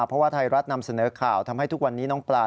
เพราะว่าไทยรัฐนำเสนอข่าวทำให้ทุกวันนี้น้องปลา